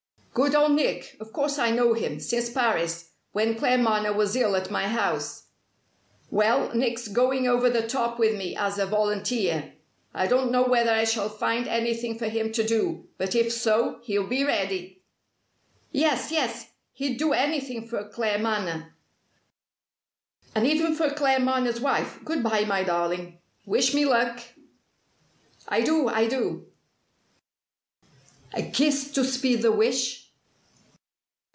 "Good Old Nick! Of course I know him since Paris, when Claremanagh was ill at my house." "Well, Nick's going 'over the top' with me, as a volunteer. I don't know whether I shall find anything for him to do, but if so, he'll be ready!" "Yes yes! He'd do anything for Claremanagh." "And even for Claremanagh's wife. Good bye, my darling. Wish me luck." "I do I do." "A kiss to speed the wish?"